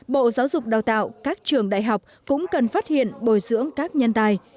bộ giáo dục đào tạo các trường đại học cũng cần phát hiện bồi dưỡng các nhân tài